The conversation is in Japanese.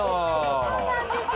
そうなんですよ。